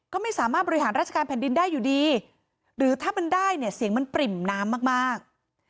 ก็ไม่สามารถบริหารราชการแผ่นดินได้อยู่ดีหรือถ้ามันได้เนี่ยเสียงมันปริ่มน้ำมาก